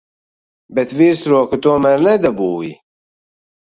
Bet virsroku tomēr nedabūji.